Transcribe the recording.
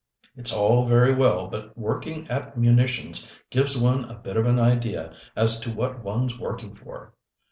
"It's all very well, but working at munitions gives one a bit of an idea as to what one's working for.